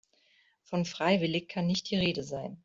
Von freiwillig kann nicht die Rede sein.